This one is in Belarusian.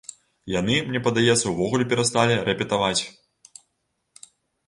Яны, мне падаецца, увогуле перасталі рэпетаваць.